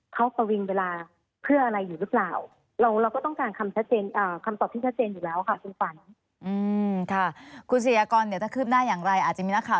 เขาประวิงเวลาเพื่ออะไรอยู่หรือเปล่า